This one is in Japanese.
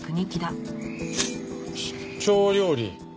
「出張料理」